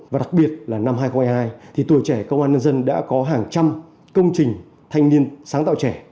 và đặc biệt là năm hai nghìn hai mươi hai thì tuổi trẻ công an nhân dân đã có hàng trăm công trình thanh niên sáng tạo trẻ